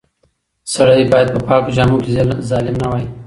سړی باید په پاکو جامو کې ظالم نه وای.